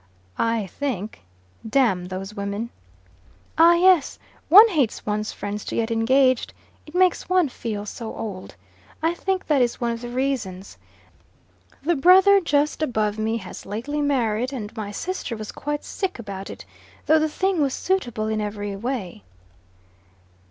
"I think: Damn those women." "Ah, yes. One hates one's friends to get engaged. It makes one feel so old: I think that is one of the reasons. The brother just above me has lately married, and my sister was quite sick about it, though the thing was suitable in every way."